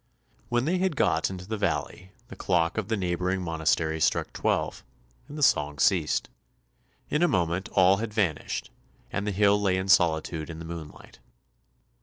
When they had got into the valley, the clock of the neighbouring monastery struck twelve, and the song ceased. In a moment all had vanished, and the hill lay in solitude in the moonlight.